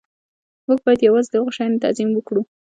موږ باید یوازې د هغو شیانو تعظیم وکړو